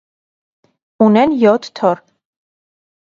Ունեն յոթ թոռ։